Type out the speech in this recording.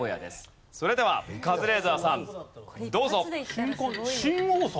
それではカズレーザーさんどうぞ。